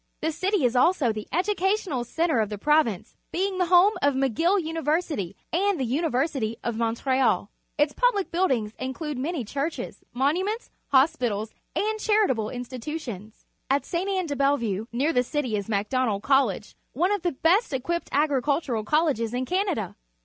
The city is also the educational centre of the province, being the home of McGill University and the University of ^Montreal. Interior of a Cotton Mill, Montreal Its pubUc buildings include many churches, monuments, hospitals, and charitable in stitutions. At Ste. Anne dc Bellevue, near the 96 PUBLIC SCHOOL GEOGR.APHY cityj_is Macdonald Co llege, one of the best equipped agricultural colleges in Canada.